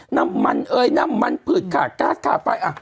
น้ำมันเอ๊ยน้ำมันผืดขาดกาสขาดไป